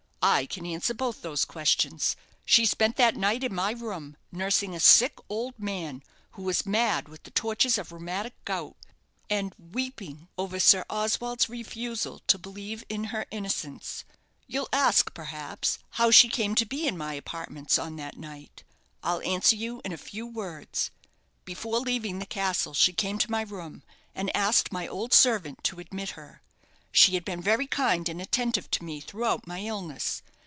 I can answer both those questions. She spent that night in my room, nursing a sick old man, who was mad with the tortures of rheumatic gout, and weeping over Sir Oswald's refusal to believe in her innocence. "You'll ask, perhaps, how she came to be in my apartments on that night. I'll answer you in a few words. Before leaving the castle she came to my room, and asked my old servant to admit her. She had been very kind and attentive to me throughout my illness.